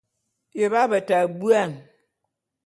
Nye b'abeta buan.